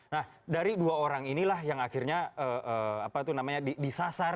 nah dari dua orang inilah yang akhirnya apa itu namanya disasar